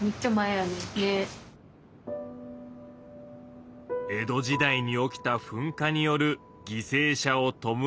江戸時代に起きた噴火による犠牲者をとむらう供養塔だ。